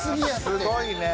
すごいね。